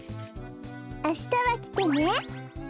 あしたはきてね。